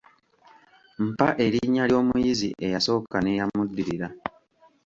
Mpa erinnya ly'omuyizi eyasooka n’eyamuddirira.